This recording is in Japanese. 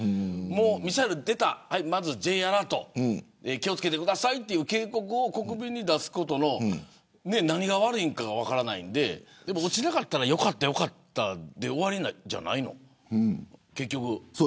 ミサイル出た、まずＪアラート気を付けてくださいという警告を国民に出すことの何が悪いのか分からないんで落ちなかったらよかった、よかったで終わりじゃないの結局。